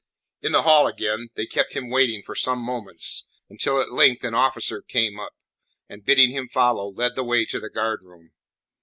In the hall again they kept him waiting for some moments, until at length an officer came up, and bidding him follow, led the way to the guardroom.